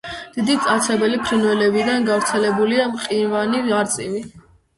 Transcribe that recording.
დიდი მტაცებელი ფრინველებიდან გავრცელებულია მყივანი არწივი.